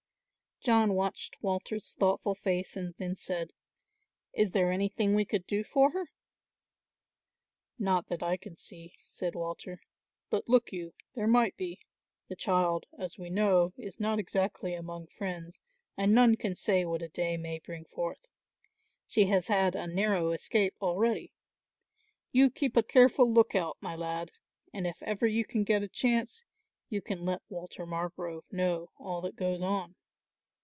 John watched Walter's thoughtful face and then said, "Is there anything we could do for her?" "Not that I can see," said Walter; "but look you, there might be; the child, as we know, is not exactly among friends and none can say what a day may bring forth. She has had a narrow escape already. You keep a careful look out, my lad, and if ever you can get a chance you can let Walter Margrove know all that goes on.